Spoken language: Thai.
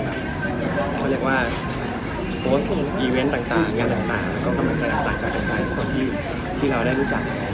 เพราะว่าพอสต์อีเวนต์ต่างงานต่างก็กำลังจะต่างจากกันกับทุกคนที่เราได้รู้จัก